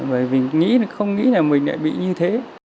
bởi vì không nghĩ là mình lại bị như thế